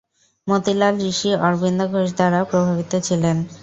মতিলাল, ঋষি অরবিন্দ ঘোষ দ্বারা প্রভাবিত ছিলেন।